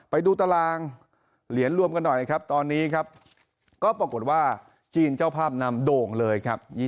ไปดูตารางเหรียญรวมกันหน่อยนะครับตอนนี้ครับก็ปรากฏว่าจีนเจ้าภาพนำโด่งเลยครับ